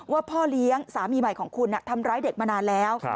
พ่อเลี้ยงสามีใหม่ของคุณทำร้ายเด็กมานานแล้ว